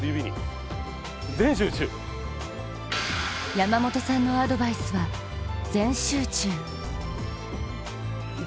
山本さんのアドバイスは全集中。